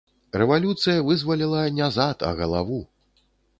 Рэвалюцыя вызваліла не зад, а галаву.